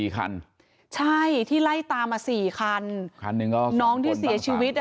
คันใช่ที่ไล่ตามมาสี่คันคันหนึ่งก็น้องที่เสียชีวิตอ่ะ